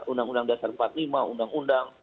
undang undang dasar empat puluh lima undang undang